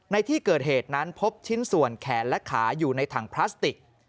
ในที่เกิดเหตุนั้นพบชิ้นส่วนแขนและขาอยู่ในถังพลาสติก